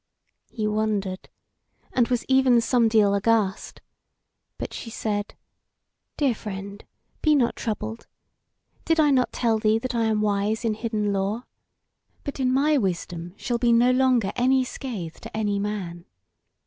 He wondered, and was even somedeal aghast; but she said: "Dear friend, be not troubled! did I not tell thee that I am wise in hidden lore? But in my wisdom shall be no longer any scathe to any man.